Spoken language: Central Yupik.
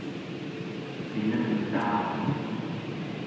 pinevtaa